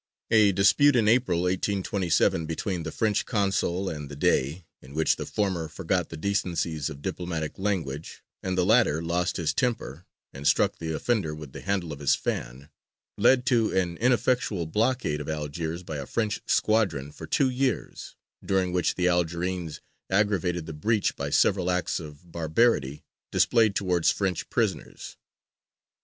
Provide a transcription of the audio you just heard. A dispute in April, 1827, between the French consul and the Dey, in which the former forgot the decencies of diplomatic language, and the latter lost his temper and struck the offender with the handle of his fan, led to an ineffectual blockade of Algiers by a French squadron for two years, during which the Algerines aggravated the breach by several acts of barbarity displayed towards French prisoners.